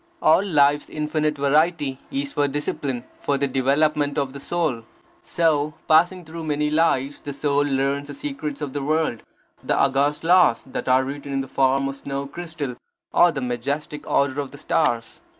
All life's infinite variety is for discipline, for the development of the soul. So passing through many lives, the Soul learns the secrets of the world, the august laws that are written in the form of the snow crystal or the majestic order of the stars.